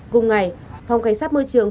cùng ngày phòng cảnh sát môi trường